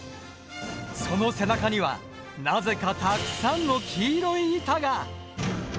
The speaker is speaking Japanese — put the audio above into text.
その背中にはなぜかたくさんの黄色い板が！